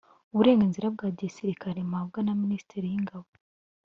uburenganzira bwa Gisirikare mpabwa na Minisiteri y Ingabo